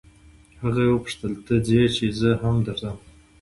هغې وپوښتل ته ځې چې زه هم درځم.